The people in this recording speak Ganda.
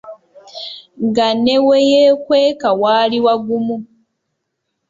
Nga ne we yeekweka waali wagumu.